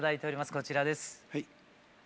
こちらです。